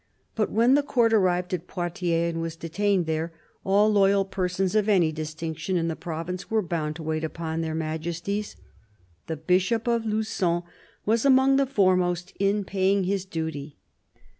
But when the Court arrived at Poitiers and was detained there, all loyal persons of any distinction in the province were bound to wait upon their Majesties. The Bishop of Lugon was among the foremost in paying his duty.